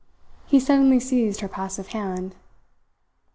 He suddenly seized her passive hand.